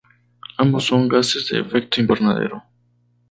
Ambos son gases de efecto invernadero.